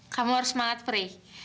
kamu harus semangat pri